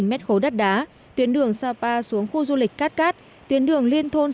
hai m khối đất đá tuyến đường sapa xuống khu du lịch cát cát tuyến đường liên thôn